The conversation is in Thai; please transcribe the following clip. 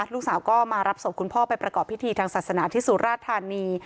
ลูกสาวก็มารับศพคุณพ่อไปประกอบพิธีทางศาสนาที่สุราธานี